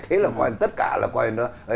thế là tất cả là quay nữa